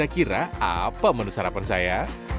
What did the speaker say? nah kira kira apa menu sarapan saya